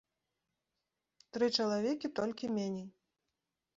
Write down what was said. Тры чалавекі толькі меней.